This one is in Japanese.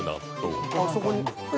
そこに。